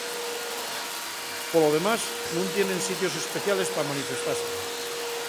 Polo demás, nun tienen sitios especiales pa manifestase.